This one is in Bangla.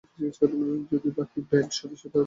বাকি ব্যান্ড সদস্যরা গুরুতর আহত হয়েছিল।